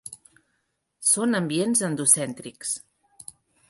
Són ambients endocèntrics.